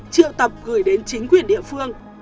triệu tập gửi đến chính quyền địa phương